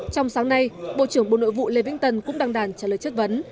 trong sáng nay bộ trưởng bộ nội vụ lê vĩnh tân cũng đăng đàn trả lời chất vấn